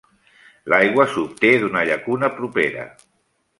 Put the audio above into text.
L'aigua s'obté d'una llacuna propera.